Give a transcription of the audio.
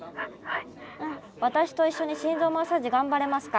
私と一緒に心臓マッサージがんばれますか？